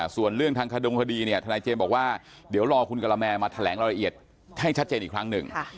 ส่วนเรื่องทางขดงคดีเนี่ยทนายเจมส์บอกว่าเดี๋ยวรอคุณกะละแมมาแถลงรายละเอียดให้ชัดเจนอีกครั้งหนึ่ง